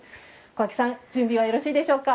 小晶さん準備は、よろしいでしょうか？